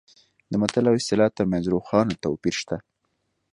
د متل او اصطلاح ترمنځ روښانه توپیر شته